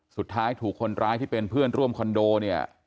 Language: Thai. สุดท้ายถูกคนร้ายที่เป็นเพื่อนร่วมคอนโดเนี่ย